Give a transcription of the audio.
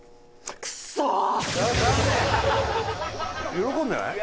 喜んでない？